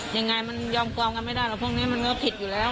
ยังไงมันยอมความกันไม่ได้หรอกพวกนี้มันก็ผิดอยู่แล้ว